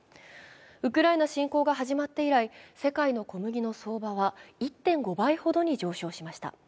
ウクライナ侵攻が始まって以来、世界の小麦の相場は１．５倍ほどに上昇しました。